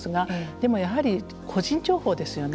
でもやはり個人情報ですよね。